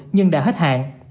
nhân đã hết hạn